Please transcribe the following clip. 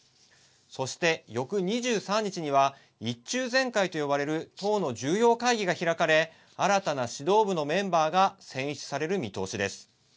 そして翌２３日には１中全会と呼ばれる党の重要会議が開かれ新たな指導部のメンバーが選出される見通しです。